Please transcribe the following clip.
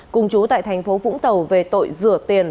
cùng chú tại thành phố vũng tàu về tội rửa tiền